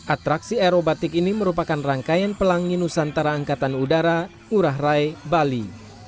atraksi aerobatik ini merupakan rangkaian pelangi nusantara angkatan udara ngurah rai bali